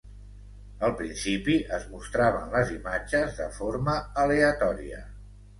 Al principi, es mostraven les imatges de forma aleatòria.